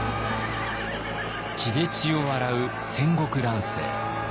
血で血を洗う戦国乱世。